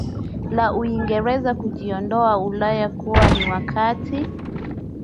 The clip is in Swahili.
la Uingereza kujiondoa Ulaya kuwa ni wakati